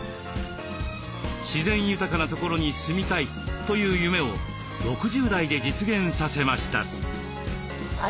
自然豊かな所に住みたいという夢を６０代で実現させました。